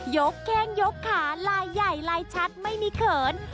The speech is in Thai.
แข้งยกขาลายใหญ่ลายชัดไม่มีเขิน